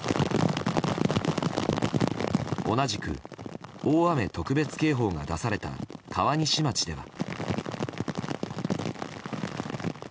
同じく大雨特別警報が出された川西町では。